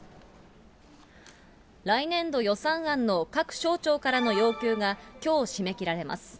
来年度予算案の各省庁からの要求がきょう締め切られます。